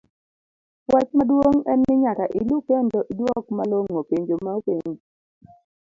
wach maduong en ni nyaka ilu kendo iduok malong'o penjo ma openji.